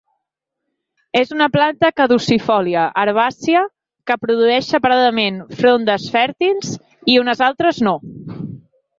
És una planta caducifòlia herbàcia, que produeix separadament frondes fèrtils i unes altres no.